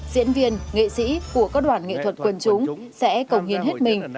diễn viên nghệ sĩ của các đoàn nghệ thuật quần chúng sẽ cầu hiến hết mình